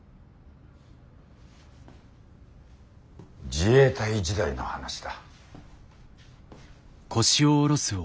自衛隊時代の話だ。